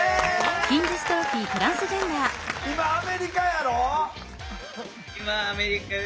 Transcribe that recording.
今アメリカやろ？